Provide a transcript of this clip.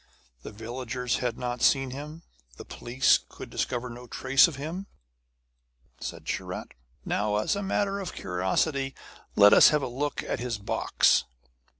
The villagers had not seen him; the police could discover no trace of him. Said Sharat: 'Now, as a matter of curiosity, let us have a look at his box.'